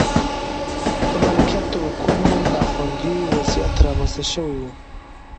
د مالکیت د حقونو نا خوندي وضعیت رامنځته شوی و.